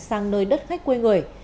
sang nơi đất khách quê người